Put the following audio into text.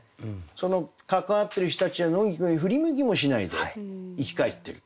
そのかかわってる人たちは野菊に振り向きもしないで行き交ってると。